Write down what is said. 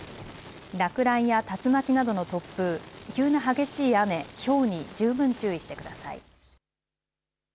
落雷や竜巻などの突風急な激しい雨、ひょうに十分注意してください。